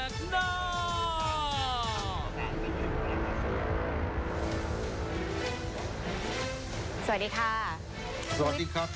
สวัสดีครับ